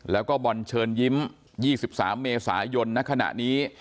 แล้วก็บอลเชิญยิ้ม๒๓เมษายนณขณะนี้